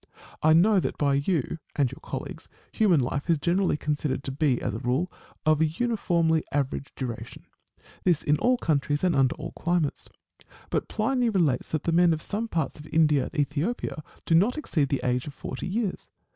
I know that by you and your colleagues human life is generally considered to be, as a rule, of an uniformly average duration : this in all countries and under all climates. But Pliny relates that the men of some parts of India and Ethiopia do not exceed the age of forty years.